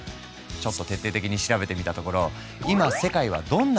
ちょっと徹底的に調べてみたところ